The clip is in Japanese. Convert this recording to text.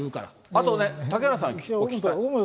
あとね、嵩原さん、お聞きしたい。